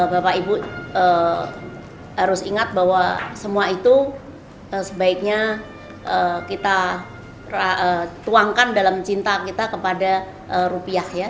bapak ibu harus ingat bahwa semua itu sebaiknya kita tuangkan dalam cinta kita kepada rupiah ya